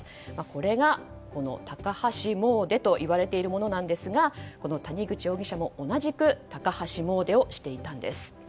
これが高橋詣でといわれているものですがこの谷口容疑者も同じく高橋詣でをしていたんです。